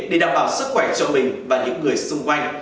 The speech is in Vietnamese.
để đảm bảo sức khỏe cho mình và những người xung quanh